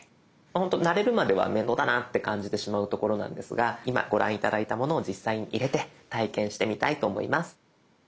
ほんと慣れるまでは面倒だなって感じてしまうところなんですが今ご覧頂いたものを実際に入れて体験してみたいと思います。